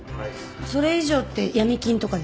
それ以上って闇金とかですか？